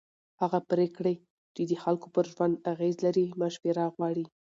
هغه پرېکړې چې د خلکو پر ژوند اغېز لري مشوره غواړي